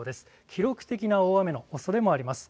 記録的な大雨のおそれもあります。